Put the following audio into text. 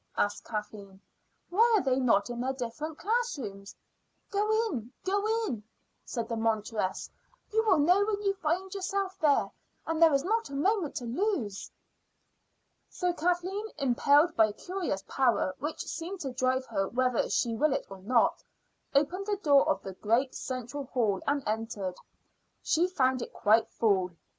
asked Kathleen. "Why are they not in their different classrooms?" "Go in go in," said the monitress. "You will know when you find yourself there; and there is not a moment to lose." So Kathleen, impelled by a curious power which seemed to drive her whether she will it or not, opened the door of the great central hall and entered. She found it quite full.